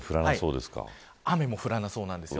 雨も降らなそうなんです。